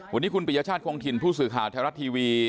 วันนี้คุณปิยชาติคงถิ่นผู้สื่อข่าวไทยรัฐทีวี